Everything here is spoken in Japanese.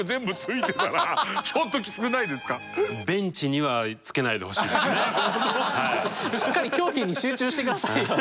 例えばしっかり競技に集中してください。